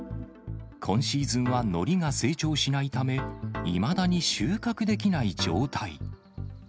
今シーズンはノリが成長しないため、いまだに収穫できない状態。